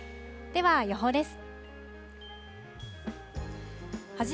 では、予報です。